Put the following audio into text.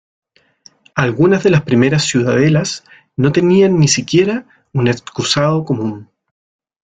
Algunas de las primeras ciudadelas no tenían ni siquiera un excusado común.